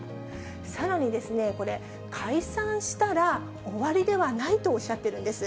さらにこれ、解散したら、終わりではないとおっしゃってるんです。